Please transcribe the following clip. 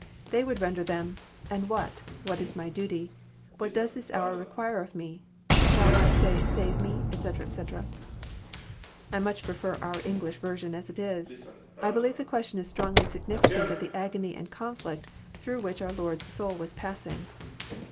They would render them, And what? What is my duty? What does the hoar require of Me? Shall I say, Save Me," etc., etc. — I much prefer our English version as it is. I believe the question is strongly sig nificant of the agony and conflict through which our Lord's soul was passing.